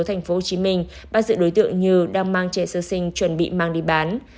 thành phố hồ chí minh bắt giữ đối tượng như đang mang trẻ sơ sinh chuẩn bị mang đi bán